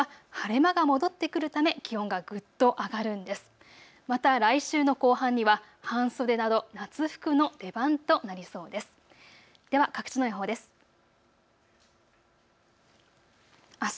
また来週の後半には、半袖など夏服の出番となりそうです。